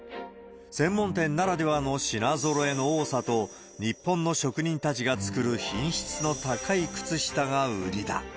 専門店ならではの品ぞろえの多さと、日本の職人たちが作る品質の高い靴下が売りだ。